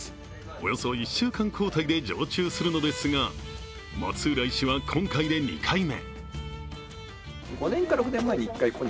およそ１週間交代で常駐するのですが松浦医師は今回で２回目。